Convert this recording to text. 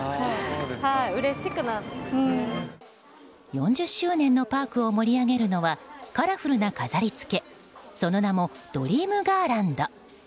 ４０周年のパークを盛り上がるのはカラフルな飾りつけその名もドリームガーランド。